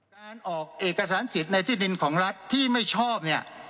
การออกเอกสารสิทธิ์ในที่ดินของรัฐที่ไม่ชอบเนี่ย